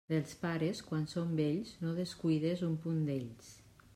Dels pares quan són vells, no descuides un punt d'ells.